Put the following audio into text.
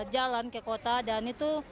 jalan ke kota dan itu